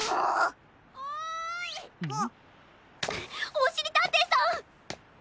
おしりたんていさん。